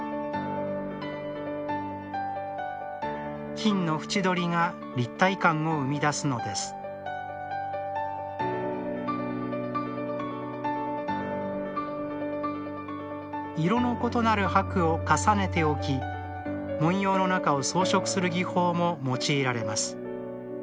金の縁取りが立体感を生み出すのです色の異なる箔を重ねて置き文様の中を装飾する技法も用いられます。